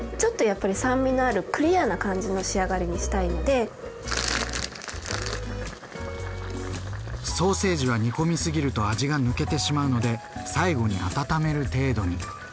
ちょっとやっぱりソーセージは煮込みすぎると味が抜けてしまうので最後に温める程度に。